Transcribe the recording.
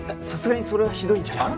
さすがにそれはひどいんじゃ。